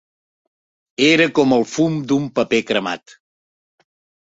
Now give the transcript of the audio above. Era com el fum d'un paper cremat.